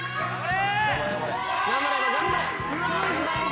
頑張れ！